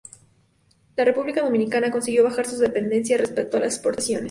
La República Dominicana consiguió bajar su dependencia respecto a las exportaciones.